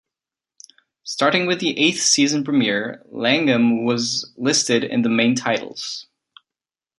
Starting with the eighth season premiere, Langham was listed in the main titles.